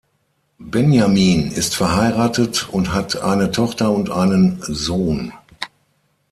Benjamin ist verheiratet und hat eine Tochter und einen Sohn.